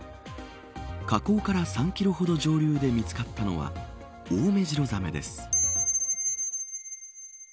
河口から３キロほど上流で見つかったのはオオメジロザメです。